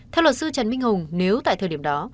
theo luật sư trần minh hùng nếu tại thời điểm đó